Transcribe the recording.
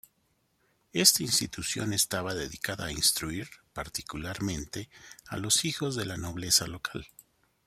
Esta institución estaba dedicada a instruir, particularmente, a los hijos de la nobleza local.